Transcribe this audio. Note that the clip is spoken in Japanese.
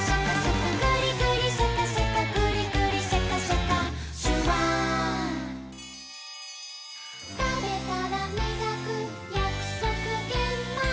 「グリグリシャカシャカグリグリシャカシャカ」「シュワー」「たべたらみがくやくそくげんまん」